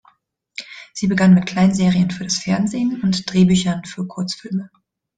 Sie begann mit Kleinserien für das Fernsehen und Drehbüchern für Kurzfilme.